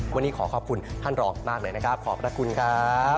วันนี้ขอขอบคุณท่านรองมากเลยนะครับขอบพระคุณครับ